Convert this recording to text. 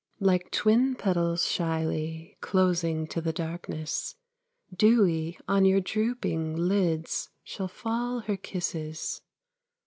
Like twin petals shyly Closing to the darkness, Dewy on your drooping Lids shall fall her kisses.